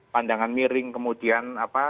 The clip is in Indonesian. pandangan miring kemudian apa